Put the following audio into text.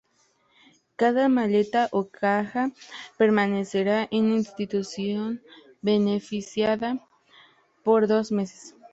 Cada maleta o caja permanecerá en la institución beneficiada por dos meses.